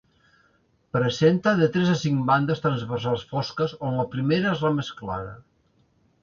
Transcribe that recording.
Presenta de tres a cinc bandes transversals fosques, on la primera és la més clara.